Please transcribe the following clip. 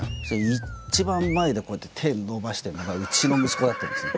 一番前でこうやって手伸ばしてるのがうちの息子だったんですよね。